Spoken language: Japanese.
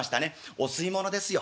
お吸い物ですよ。